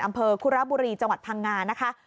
อำเภอคุระบุรีจังหวัดพังงานะคะ